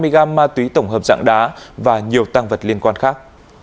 một trăm hai mươi g ma túy tổng hợp dạng đá và nhiều tăng vật liên quan khác